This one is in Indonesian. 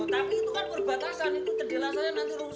loh tapi itu kan perbatasan itu jelas saja nanti rusak itu